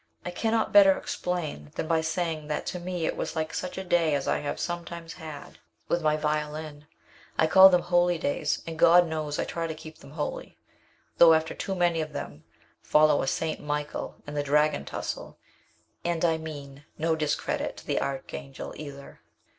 I cannot better explain than by saying that to me it was like such a day as I have sometimes had with my violin. I call them my holy days, and God knows I try to keep them holy, though after too many of them follow a St. Michael and the Dragon tussle and I mean no discredit to the Archangel, either.